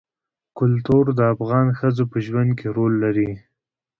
کلتور د افغان ښځو په ژوند کې رول لري.